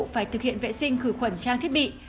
phải thực hiện vệ sinh khử khuẩn trang thiết bị